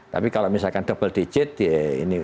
tapi kalau misalkan double digit ya ini